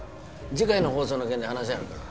次回の放送の件で話あるから。